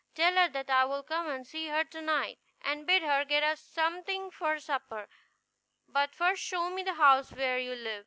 Tell her that I will come and see her to night, and bid her get us something for supper; but first show me the house where you live."